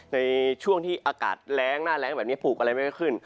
ในช่วงที่อากาศแรงหน้าแรงแบบนี้ปลูกอะไรไม่ค่อยขึ้น